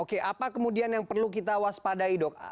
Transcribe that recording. oke apa kemudian yang perlu kita waspadai dok